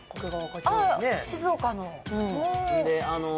静岡の？